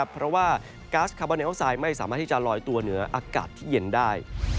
เพราะว่าก๊าซคาร์บอเนลไซด์ไม่สามารถที่จะลอยตัวเหนืออากาศที่เย็นได้